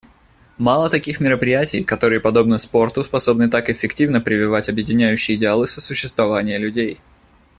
Мало таких мероприятий, которые подобно спорту способны так эффективно прививать объединяющие идеалы сосуществования людей.